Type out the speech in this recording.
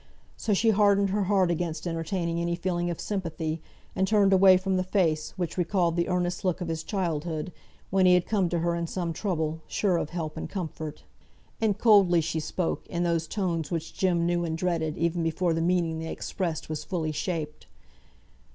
So she hardened her heart against entertaining any feeling of sympathy; and turned away from the face, which recalled the earnest look of his childhood, when he had come to her in some trouble, sure of help and comfort. And coldly she spoke, in those tones which Jem knew and dreaded, even before the meaning they expressed was fully shaped.